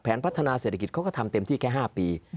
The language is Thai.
พัฒนาเศรษฐกิจเขาก็ทำเต็มที่แค่๕ปี